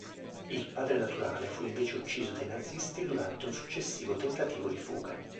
Il padre naturale fu invece ucciso dai nazisti durante un successivo tentativo di fuga.